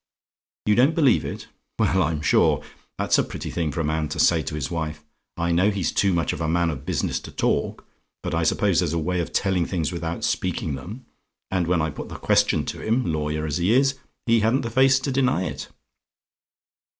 "YOU DON'T BELIEVE IT? "Well, I'm sure! That's a pretty thing for a man to say to his wife. I know he's too much of a man of business to talk; but I suppose there's a way of telling things without speaking them. And when I put the question to him, lawyer as he is, he hadn't the face to deny it.